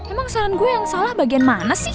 emang saran gue yang salah bagian mana sih